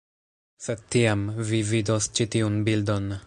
Sed tiam, vi vidos ĉi tiun bildon.